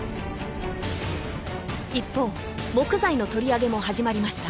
一方木材の取り上げも始まりました